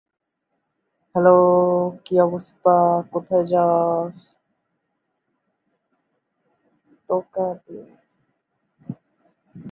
এছাড়া তিনি কলকাতা বিশ্ববিদ্যালয়ে আন্তর্জাতিক আইনের অবৈতনিক প্রভাষক হিসেবে শিক্ষকতা করেছেন।